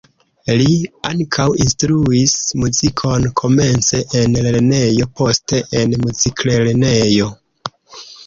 Li ankaŭ instruis muzikon komence en lernejo, poste en muziklernejo.